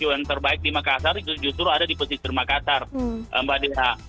icu yang terbaik di makassar itu justru ada di posisi rumah kasar mbak deha